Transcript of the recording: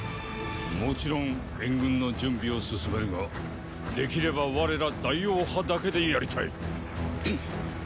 もちろん援軍の準備を進めるができれば我ら大王派だけでやりたい。！